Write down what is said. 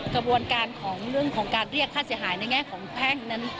กระบวนการของเรื่องของการเรียกค่าเสียหายในแง่ของแพ่งนั้น